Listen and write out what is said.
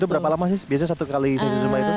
berapa lama sih biasanya satu kali sesi gempa itu